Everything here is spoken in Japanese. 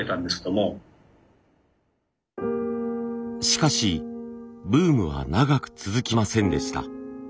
しかしブームは長く続きませんでした。